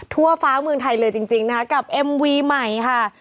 ทั่วฟ้าเมืองไทยเลยจริงนะคะกับเอ็มวีใหม่ค่ะ